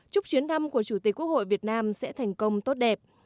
chúc chuyến thăm của chủ tịch quốc hội việt nam sẽ thành công tốt đẹp